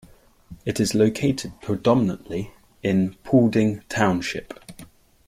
It is located predominantly in Paulding Township.